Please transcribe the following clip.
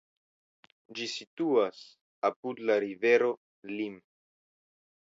Ĝi situas apud la rivero Lim.